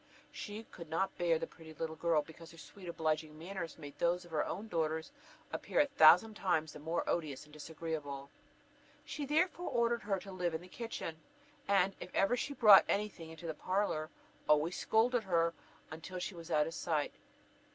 She could not bear the pretty little girl, because her sweet obliging manners made those of her own daughters appear a thousand times the more odious and disagreeable. She therefore ordered her to live in the kitchen; and, if ever she brought any thing into the parlour, always scolded her till she was out of sight.